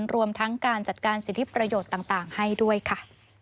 รวมทั้งการจัดการสิทธิประโยชน์ต่างให้ด้วยค่ะ